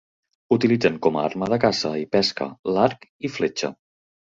Utilitzen com a arma de caça i pesca l'arc i fletxa.